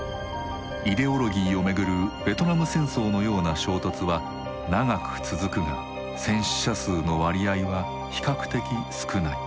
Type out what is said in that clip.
イデオロギーをめぐるベトナム戦争のような衝突は長く続くが戦死者数の割合は比較的少ない。